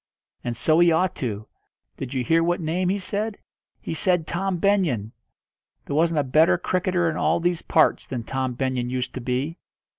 "And so he ought to. Did you hear what name he said? He said Tom Benyon! There wasn't a better cricketer in all these parts than Tom Benyon used to be.